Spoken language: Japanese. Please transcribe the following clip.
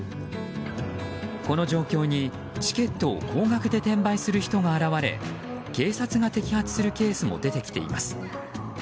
この状況に、チケットを高額で転売する人が現れ警察が摘発するケースも出てきています。